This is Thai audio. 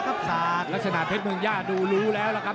ทัพนรักษณะเพชรเมืองย่าดูโลวแล้วครับ